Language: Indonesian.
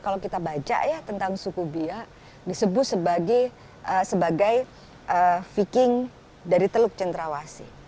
kalau kita baca ya tentang suku bia disebut sebagai viking dari teluk centrawasi